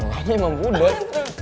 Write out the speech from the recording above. alahnya emang budot